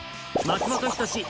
松本人志